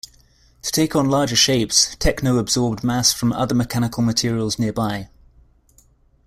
To take on larger shapes, Techno absorbed mass from other mechanical materials nearby.